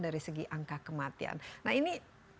dari segi angka kematian nah ini